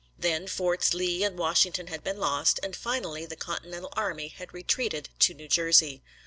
Then Forts Lee and Washington had been lost, and finally the Continental army had retreated to New Jersey.